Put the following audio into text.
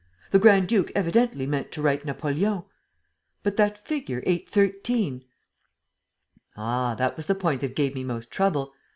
The grand duke evidently meant to write 'Napoleon.' But that figure 813? ..." "Ah, that was the point that gave me most trouble.